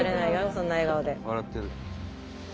そんな笑顔で。